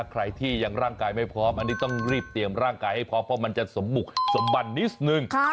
ใครที่ยังร่างกายไม่พร้อมอันนี้ต้องรีบเตรียมร่างกายให้พร้อมเพราะมันจะสมบุกสมบัตินิดนึง